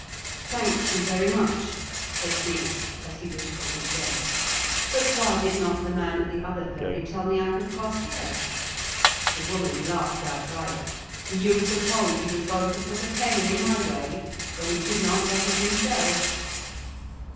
"Thank you, very much," said Felix, as he wished her good day; "but why did not the man at the other ferry tell me I could cross here?" The woman laughed outright. "Do you suppose he was going to put a penny in my way when he could not get it himself?"